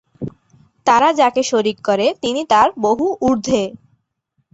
তারা যাকে শরীক করে তিনি তার বহু ঊর্ধ্বে।